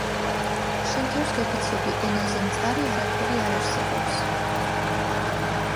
შენ თავს გეფიცები ენაზე მწარი არაფერი არ არსებობს